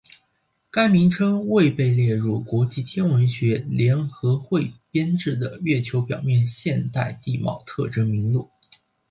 该名称未被列入国际天文学联合会编制的月球表面现代地貌特征名录。